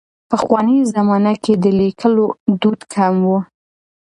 پخوانۍ زمانه کې د لیکلو دود کم و.